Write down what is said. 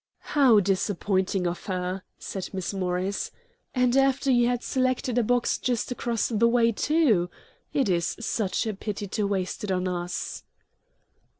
"How disappointing of her!" said Miss Morris. "And after you had selected a box just across the way, too. It is such a pity to waste it on us."